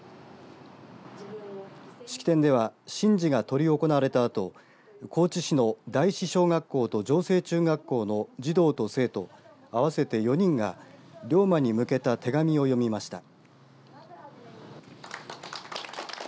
式典では神事が執り行われたあと高知市の第四小学校と城西中学校の児童と生徒合わせて４人が龍馬へ向けた手紙を読みました。